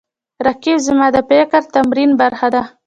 رقیب زما د فکري تمرین برخه ده